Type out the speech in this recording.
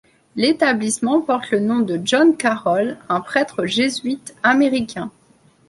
L'établissement porte le nom de John Carroll, un prêtre jésuite américain.